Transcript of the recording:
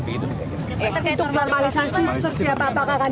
untuk malasansi apa yang akan dilakukan